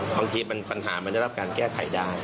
บางทีปัญหามันจะรับการแก้ไขได้